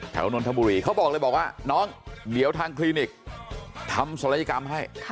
นนทบุรีเขาบอกเลยบอกว่าน้องเดี๋ยวทางคลินิกทำศัลยกรรมให้